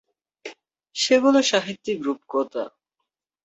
সেগুলো সাহিত্যিক রূপকথা।